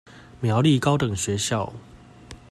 苗栗高等學校